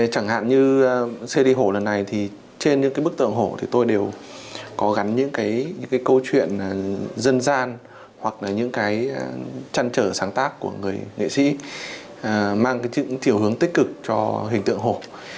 chẳng hạn như cd hổ lần này thì trên những bức tượng hổ tôi đều có gắn những câu chuyện dân gian hoặc là những trăn trở sáng tác của người nghệ sĩ mang chiều hướng tích cực cho hình tượng hổ